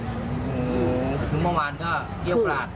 อืมคือเมื่อวานก็เกลี้ยวกราด